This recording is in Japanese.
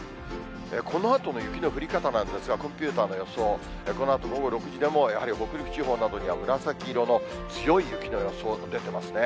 このあとの雪の降り方なんですが、コンピューターの予想、このあと午後６時でもやはり北陸地方などには紫色の強い雪の予想と出ていますね。